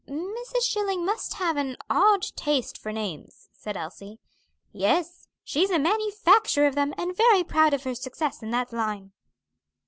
"Mrs. Schilling must have an odd taste for names," said Elsie. "Yes, she's a manufacturer of them; and very proud of her success in that line."